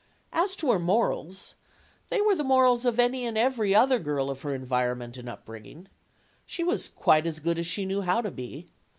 As to her morals they were the morals of any and every other girl of her environment and upbringing. She was quite as good as she knew how to be.